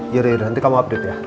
yaudah yaudah nanti kamu update ya